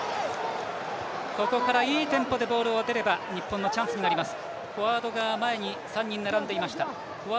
ここからいいテンポでボールを持てれば日本のチャンスになります。